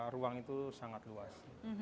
ruang itu sangat luas